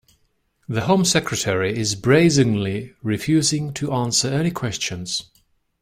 The Home Secretary is brazenly refusing to answer any questions